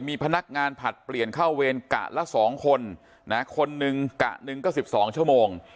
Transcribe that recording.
มีพนักงานผลัดเปลี่ยนเข้าเวรกะละ๒คนคนหนึ่งกะหนึ่งก็๑๒ชั่วโมง